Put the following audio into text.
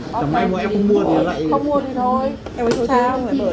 chẳng ai mua em không mua thì ở đây